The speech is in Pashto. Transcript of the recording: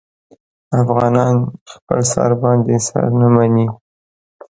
افغانان خپل سر باندې سر نه مني.